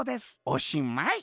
おしまい」。